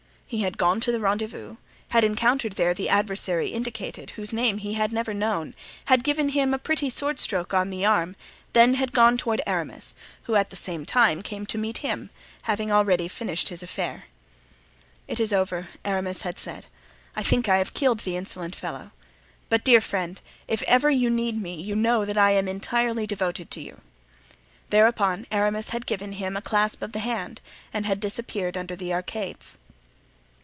He had gone to the rendezvous, had encountered there the adversary indicated, whose name he had never known, had given him a pretty sword stroke on the arm, then had gone toward Aramis, who at the same time came to meet him, having already finished his affair. "It is over," Aramis had said. "I think I have killed the insolent fellow. But, dear friend, if you ever need me you know that I am entirely devoted to you." Thereupon Aramis had given him a clasp of the hand and had disappeared under the arcades.